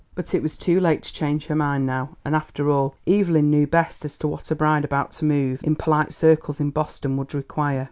But it was too late to change her mind now; and, after all, Evelyn knew best as to what a bride about to move in polite circles in Boston would require.